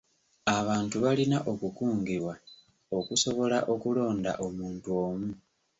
Abantu balina okukungibwa okusobola okulonda omuntu omu.